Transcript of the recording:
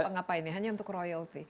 ada ngapain ya hanya untuk royalti